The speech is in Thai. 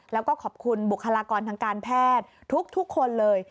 แล้วก็ขอบคุณบุคลากรทางการแพทย์ทุกคนเลย